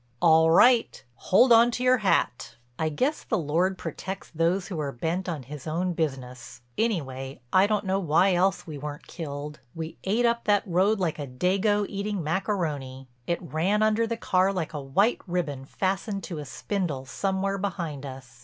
"All right—hold on to your hat." I guess the Lord protects those who are bent on His own business. Anyway I don't know why else we weren't killed. We ate up that road like a dago eating macaroni; it ran under the car like a white ribbon fastened to a spindle somewhere behind us.